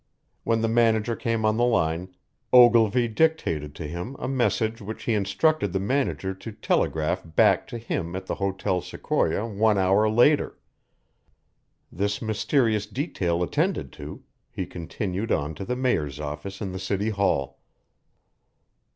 When the manager came on the line, Ogilvy dictated to him a message which he instructed the manager to telegraph back to him at the Hotel Sequoia one hour later; this mysterious detail attended to, he continued on to the Mayor's office in the city hall.